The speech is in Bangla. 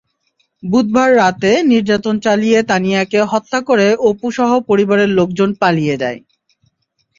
বুধবার রাতে নির্যাতন চালিয়ে তানিয়াকে হত্যা করে অপুসহ পরিবারের লোকজন পালিয়ে যায়।